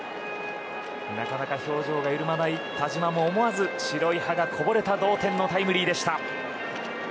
なかなか表情が緩まない田嶋も思わず白い歯がこぼれた同点のタイムリーでした。